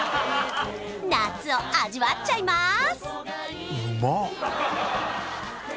夏を味わっちゃいます！